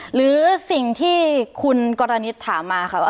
หรือสิ่งที่คุณกรณิตถามมาค่ะ